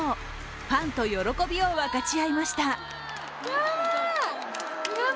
ファンと喜びを分かち合いました。